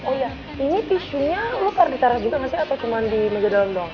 oh iya ini tisunya lu taruh di tempat ini atau cuma di meja dalam doang